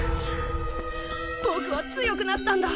ぼくは強くなったんだ！